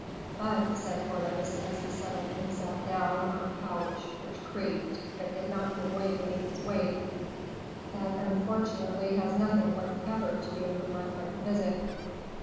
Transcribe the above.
"But," said Porthos, as he settled himself down on a couch, which creaked, but did not give way beneath his weight, "that unfortunately has nothing whatever to do with my present visit."